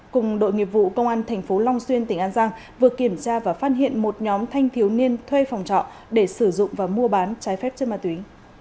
cùng đội nghiệp vụ công an tp long xuyên tỉnh an giang vừa kiểm tra và phát hiện một nhóm thanh thiếu niên thuê phòng trọ để sử dụng và mua bán trái phép chất ma túy